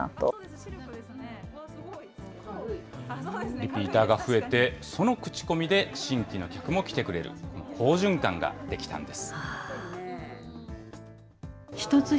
リピーターが増えて、その口コミで新規の客も来てくれる、好循環が出来たんです。